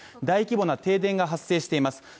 大規模な停電が発生しています。